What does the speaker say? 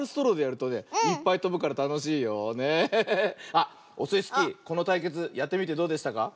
あっオスイスキーこのたいけつやってみてどうでしたか？